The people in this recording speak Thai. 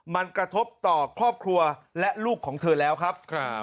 มันกระทบต่อครอบครัวและลูกของเธอแล้วครับ